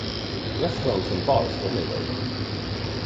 Restaurants and bars remained open.